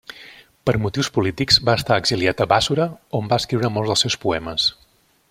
Per motius polítics va estar exiliat a Bàssora on va escriure molts dels seus poemes.